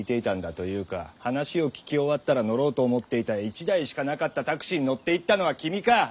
というか話を聞き終わったら乗ろうと思っていた１台しかなかったタクシーに乗っていったのは君かッ！